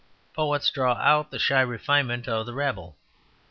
Poets draw out the shy refinement of the rabble.